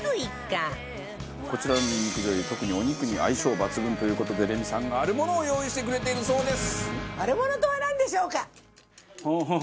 こちらのにんにく醤油特に、お肉に相性抜群という事でレミさん、あるものを用意してくれているそうです！